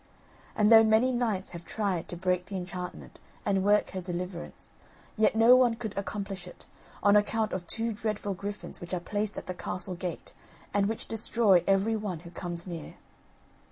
And though many knights have tried to break the enchantment, and work her deliverance, yet no one could accomplish it, on account of two dreadful griffins which are placed at the castle gate and which destroy every one who comes near.